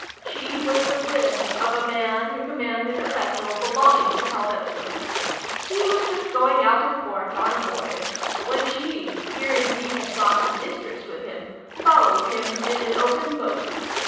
She was the rib of a man who commanded a vessel belonging to Helvoetsluys. He was just going out of port on a voyage, when she, hearing he had got a mistress with him, followed him in an open boat.